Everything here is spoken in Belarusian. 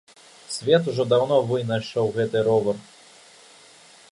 Свет ўжо даўно вынайшаў гэты ровар.